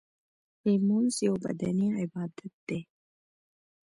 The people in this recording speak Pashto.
لمونځ یو بدنی عبادت دی .